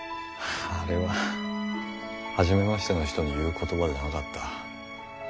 あああれははじめましての人に言う言葉じゃなかった。